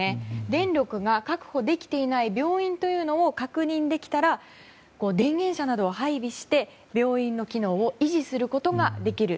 電力が確保できていない病院を確認できたら電源車などを配備して病院の機能を維持することができる。